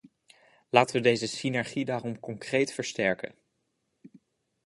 Laten we deze synergie daarom concreet versterken.